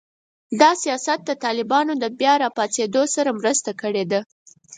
دا سیاست د طالبانو د بیا راپاڅېدو سره مرسته کړې ده